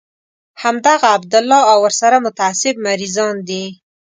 همدغه عبدالله او ورسره متعصب مريضان دي.